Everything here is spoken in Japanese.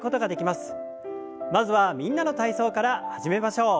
まずは「みんなの体操」から始めましょう。